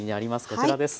こちらです。